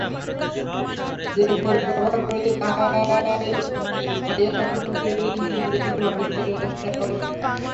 যে যেরূপ ব্যবহার করিত তাহাই সহিয়া থাকিতাম, নিজে কিছু ভাবিতে চেষ্টা করিতাম না।